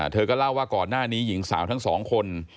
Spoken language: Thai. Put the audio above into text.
เธอก็เล่าว่าก่อนหน้านี้หญิงสาวทั้งสองคน